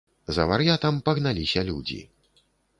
За вар'ятам пагналіся людзі.